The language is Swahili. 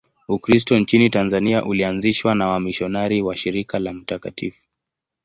Ukristo nchini Tanzania ulianzishwa na wamisionari wa Shirika la Mt.